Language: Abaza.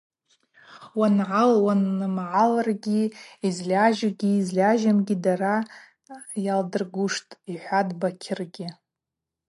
Уангӏал-уанымгӏалыргьи йызльажьугьи йызльажьамгьи дара йалдыргуштӏ, – йхӏватӏ Бакьыргьи.